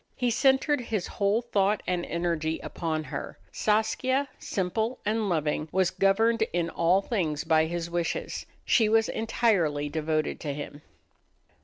He centered his whole thought and energy upon her. Saskia, simple and loving, was governed in all things by his wishes: she was entirely devoted to him.